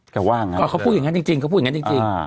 แต่ว่างั้นก็เขาพูดอย่างงั้นจริงจริงเขาพูดอย่างงั้นจริงจริงอ่า